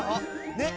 ねっ。